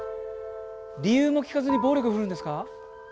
理由も聞かずに暴力振るうんですか。